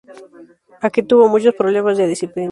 Aquí tuvo muchos problemas de disciplina.